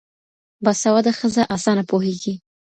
باسواده ښځه اسانه پوهيږي